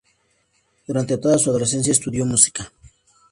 Durante toda su adolescencia estudió música.